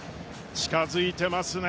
近づいてますね。